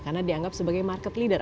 karena dianggap sebagai market leader